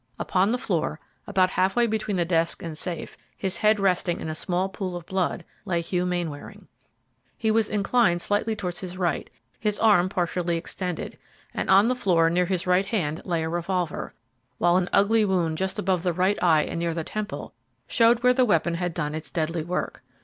Upon the floor, about half way between the desk and safe, his head resting in a small pool of blood, lay Hugh Mainwaring. He was inclined slightly towards his right side, his arm partially extended, and on the floor, near his right hand, lay a revolver, while an ugly wound just above the right eye and near the temple showed where the weapon had done its deadly work.